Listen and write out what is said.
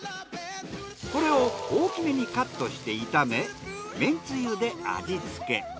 これを大きめにカットして炒めめんつゆで味付け。